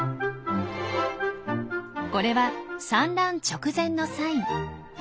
これは産卵直前のサイン。